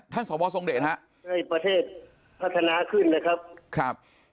ท่านสอวอร์ทรงเดชนะครับให้ประเทศพัฒนาขึ้นเลยครับ